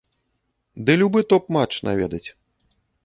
Ды любы топ-матч наведаць.